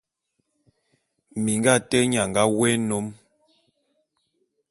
Minga ate nnye a nga wôé nnôm.